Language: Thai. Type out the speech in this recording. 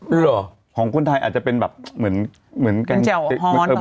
หรอของคนไทยอาจจะเป็นแบบเหมือนเหมือนเป็นแจ่วฮ้อนเหรอฮะ